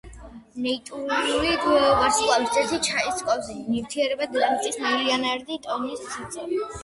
ნეიტრონული ვარსკვლავის ერთი ჩაის კოვზი ნივთიერება დედამიწაზე მილიარდობით ტონას იწონის.